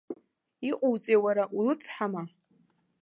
Иҟоуҵеи, уара, улыцҳама?